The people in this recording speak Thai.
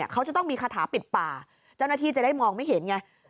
เขาจะต้องมีคาถาปิดป่าเจ้าหน้าที่จะได้มองไม่เห็นไง